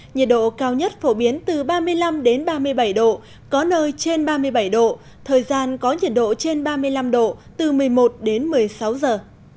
nhiệt độ cao nhất phổ biến từ ba mươi năm ba mươi bảy độ có nơi trên ba mươi bảy độ thời gian có nhiệt độ trên ba mươi năm độ từ một mươi một đến một mươi sáu giờ